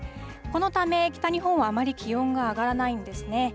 このため、北日本はあまり気温が上がらないんですね。